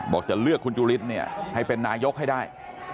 บอกจะเลือกคุณจุฬินเนี่ยให้เป็นนายกให้ได้